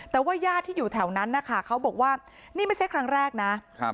แต่ว่าญาติที่อยู่แถวนั้นนะคะเขาบอกว่านี่ไม่ใช่ครั้งแรกนะครับ